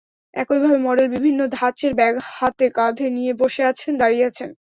একইভাবে মডেল বিভিন্ন ধাঁচের ব্যাগ হাতে, কাঁধে নিয়ে বসে আছেন, দাঁড়িয়ে আছেন।